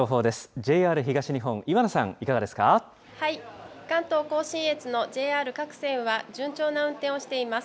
ＪＲ東日本、岩名さん、いかがで関東甲信越のＪＲ各線は、順調な運転をしています。